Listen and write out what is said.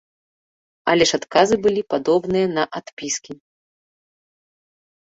Але ж адказы былі падобныя на адпіскі.